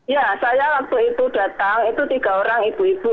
ya saya waktu itu datang itu tiga orang ibu ibu